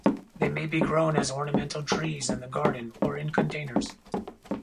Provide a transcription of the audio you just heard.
They may be grown as ornamental trees in the garden or in containers.